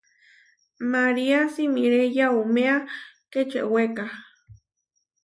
María simiré yauméa Kečeweka.